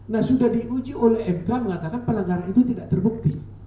nah sudah diuji oleh mk mengatakan pelanggaran itu tidak terbukti